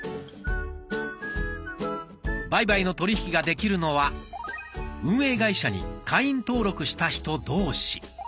売買の取り引きができるのは運営会社に会員登録した人同士。